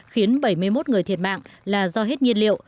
khiến bảy mươi một người thiệt mạng là do hết nhiên liệu